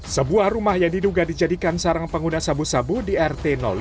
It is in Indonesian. sebuah rumah yang diduga dijadikan sarang pengguna sabu sabu di rt lima